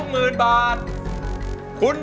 ไม่ใช้